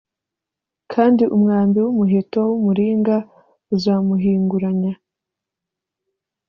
kandi umwambi w’umuheto w’umuringa uzamuhinguranya